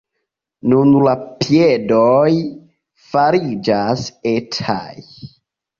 Nun la piedoj fariĝas etaj.